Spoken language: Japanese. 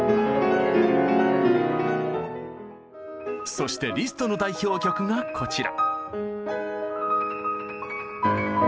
そしてリストの代表曲がこちら。